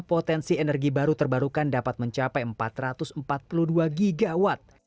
potensi energi baru terbarukan dapat mencapai empat ratus empat puluh dua gigawatt